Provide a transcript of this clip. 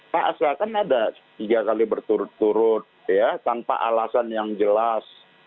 masa kan ada tiga kali berturut turut tanpa alasan yang jelas